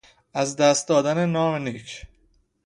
از دست دادن نام نیک